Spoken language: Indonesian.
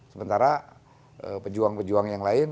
sementara pejuang pejuang yang lain